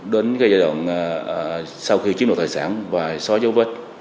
đến giai đoạn sau khi chiếm đoạt tài sản và xóa dấu vết